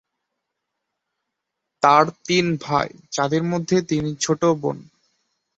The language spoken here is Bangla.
তার তিন ভাই ।যাদের মধ্যে তিনি ছোট বোন।